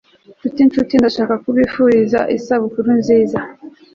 nshuti nshuti, ndashaka kubifuriza isabukuru nziza